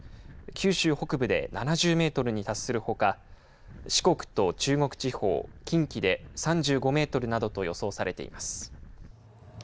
九州北部で７０メートルに達するほか四国と中国地方、近畿で３５メートルなどと予想されています。